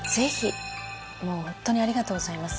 もうホントにありがとうございます